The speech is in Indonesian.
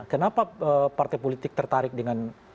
kenapa partai politik tertarik dengan